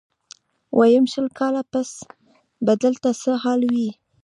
ويم شل کاله پس به دلته څه حال وي.